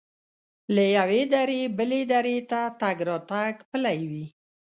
له یوې درې بلې درې ته تګ راتګ پلی وي.